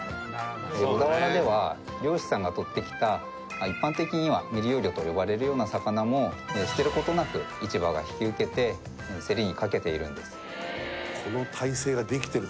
小田原では漁師さんがとってきた、一般的には未利用魚と言われるような魚も捨てることなく、市場が引き受けて競りにかけているんです。